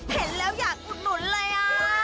เห็นแล้วอยากอุดหนุนเลย